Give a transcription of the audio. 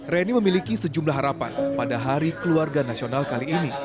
reni memiliki sejumlah harapan pada hari keluarga nasional kali ini